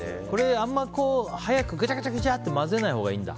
あんまり早くぐちゃぐちゃって混ぜないほうがいいんだ。